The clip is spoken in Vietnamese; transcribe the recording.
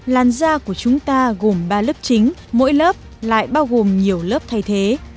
làn da của chúng ta gồm ba lớp chính mỗi lớp lại bao gồm nhiều lớp thay thế